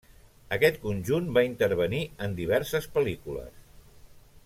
Aquest conjunt va intervenir en diverses pel·lícules.